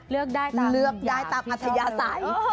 เลือกได้ตามอย่างที่ชอบ